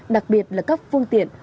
đặc biệt là các phương tiện